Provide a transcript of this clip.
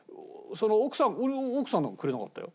奥さん俺の奥さんなんかくれなかったよ。